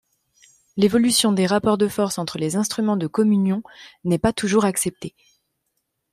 L'évolution des rapports de force entre les instruments de communion n'est pas toujours acceptée.